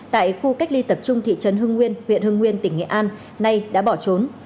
tại khu cách ly tập trung thị trấn hưng nguyên huyện hưng nguyên tỉnh nghệ an nay đã bỏ trốn